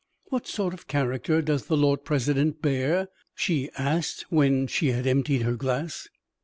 "What sort of character does the Lord President bear?" she asked when she had emptied her glass.